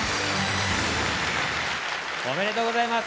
おめでとうございます。